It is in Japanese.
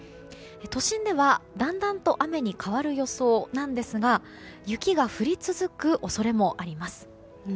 都心では、だんだんと雨に変わる予想なんですが雪が降り続く恐れもあります。